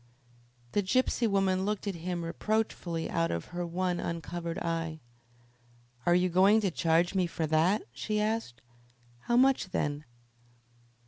The gypsy woman looked at him reproachfully out of her one uncovered eye. "Are you going to charge me for that?" she asked. "How much, then?"